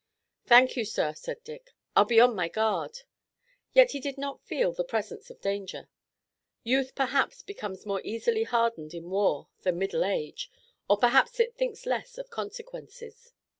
"Thank you, sir," said Dick, "I'll be on my guard." Yet he did not feel the presence of danger. Youth perhaps becomes more easily hardened in war than middle age, or perhaps it thinks less of consequences.